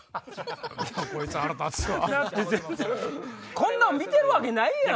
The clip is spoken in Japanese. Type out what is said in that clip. こんなん見てるわけないやん！